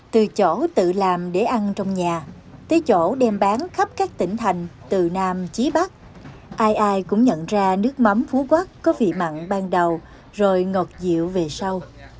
từ chỗ tự làm để ăn trong nhà tới chỗ đem bán khắp các tỉnh thành từ nam chí bắc ai ai cũng nhận ra nước mắm phú quốc có vị mặn ban đầu rồi ngọt dịu về sau